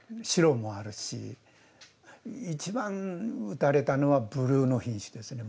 一番打たれたのはブルーの品種ですね。